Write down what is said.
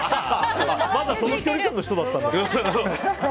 まだその距離感の人だったんだ。